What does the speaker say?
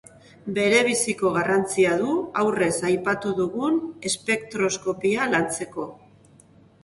Berebiziko garrantzia du aurrez aipatu dugun espektroskopia lantzeko.